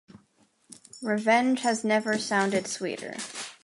Revenge has never sounded sweeter.